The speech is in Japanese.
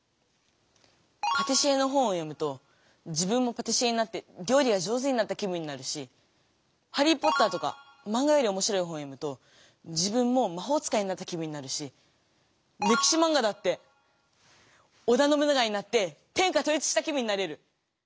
パティシエの本を読むと自分もパティシエになってりょうりがじょうずになった気分になるし「ハリー・ポッター」とかマンガよりおもしろい本を読むと自分もまほうつかいになった気分になるしれきしマンガだって織田信長になって天下とう一した気分になれる。